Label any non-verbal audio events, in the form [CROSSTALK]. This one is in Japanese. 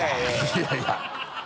いやいや [LAUGHS]